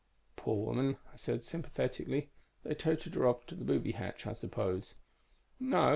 "Poor woman," I said sympathetically. "They toted her off to the booby hatch, I suppose." "No...."